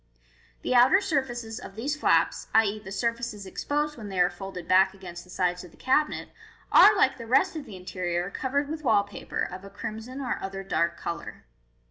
The outer surfaces of these flaps (i.e., the surfaces exposed when they are folded back against the sides of the cabinet) are, like the rest of the interior, covered with wall paper, of a crimson or other dark colour.